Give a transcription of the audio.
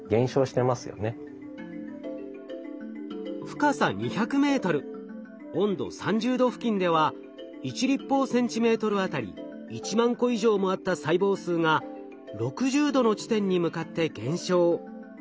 深さ２００ｍ温度３０℃付近では１立方センチメートルあたり１万個以上もあった細胞数が６０℃の地点に向かって減少。